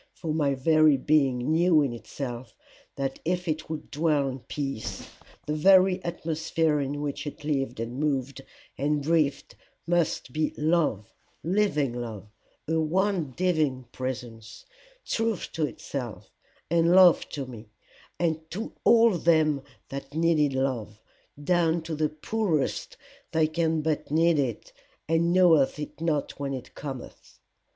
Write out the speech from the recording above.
for my very being knew in itself that if it would dwell in peace, the very atmosphere in which it lived and moved and breathed must be love, living love, a one divine presence, truth to itself, and love to me, and to all them that needed love, down to the poorest that can but need it, and knoweth it not when it cometh.